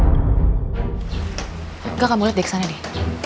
enggak kamu lihat dia kesana deh